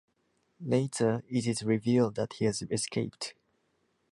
Later it is revealed that he has escaped.